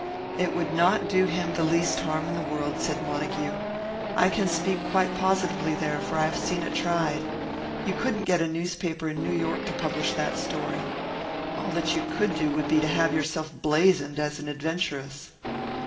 "It would not do him the least harm in the world," said Montague. "I can speak quite positively there, for I have seen it tried. You couldn't get a newspaper in New York to publish that story. All that you could do would be to have yourself blazoned as an adventuress."